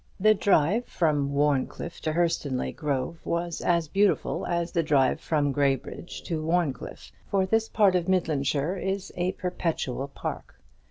The drive from Warncliffe to Hurstonleigh Grove was as beautiful as the drive from Graybridge to Warncliffe; for this part of Midlandshire is a perpetual park.